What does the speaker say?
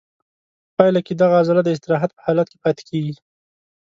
په پایله کې دغه عضله د استراحت په حالت کې پاتې کېږي.